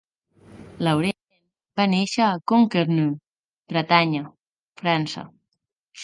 Laurent va néixer a Concarneau, Bretanya, França.